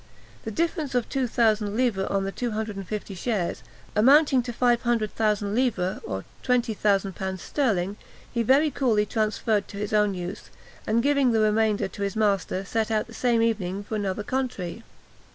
The difference of two thousand livres on the two hundred and fifty shares, amounting to 500,000 livres, or 20,000l. sterling, he very coolly transferred to his own use, and giving the remainder to his master, set out the same evening for another country.